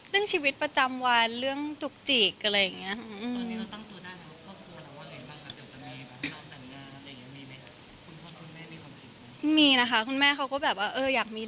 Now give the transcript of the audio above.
ชีวิตประจำวันเรื่องจุกจิกอะไรอย่างนี้